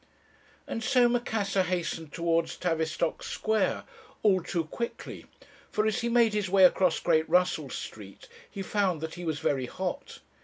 "And so Macassar hastened towards Tavistock Square, all too quickly; for, as he made his way across Great Russell Street, he found that he was very hot.